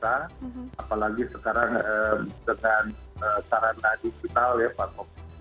terutama sekarang dengan sarana digital ya pak